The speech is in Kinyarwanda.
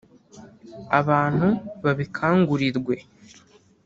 abantu babikangurirwe